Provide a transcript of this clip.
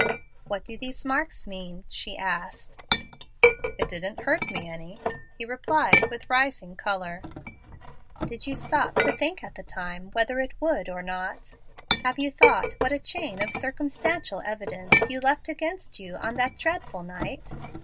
"What do these marks mean?" she asked, "It didn't hurt me any," he replied with rising color. "Did you stop to think at the time whether it would or not? Have you thought what a chain of circumstantial evidence you left against you on that dreadful night?